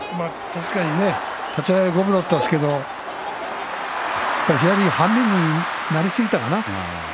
確かにね、立ち合いは五分だったんですけども左半身になりすぎたかな。